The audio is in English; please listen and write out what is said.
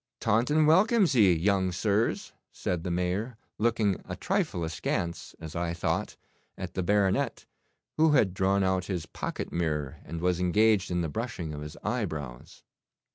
'Taunton welcomes ye, young sirs,' said the Mayor, looking a trifle askance, as I thought, at the baronet, who had drawn out his pocket mirror, and was engaged in the brushing of his eyebrows.